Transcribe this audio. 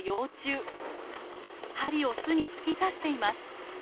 針を巣に突き刺しています。